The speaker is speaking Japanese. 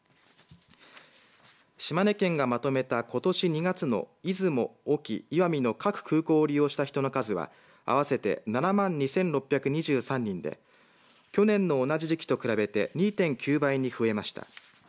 島根県がまとめたことし２月の出雲、隠岐、石見の各空港を利用した人の数は合わせて７万２６２３人で去年の同じ時期と比べて２．９倍に増えました。